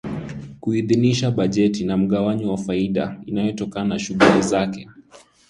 kuidhinisha bajeti na mgawanyo wa faida inayotokana na shughuli zake